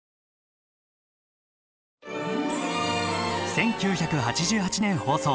１９８８年放送。